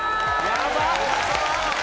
やばっ！